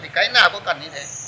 thì cái nào cũng cần như thế